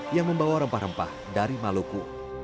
yang membawa rempah rempah dari maluku